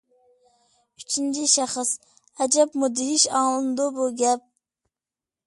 ئۈچىنچى شەخس؟ ئەجەب مۇدھىش ئاڭلىنىدۇ بۇ گەپ.